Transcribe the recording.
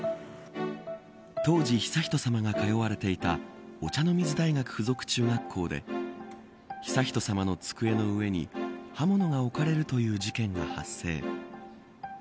当時、悠仁さまが通われていたお茶の水大学付属中学校で悠仁さまの机の上に刃物が置かれるという事件が発生。